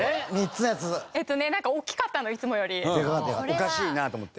おかしいなと思って？